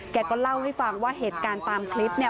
แกก็เล่าให้ฟังว่าเหตุการณ์ตามคลิปเนี่ย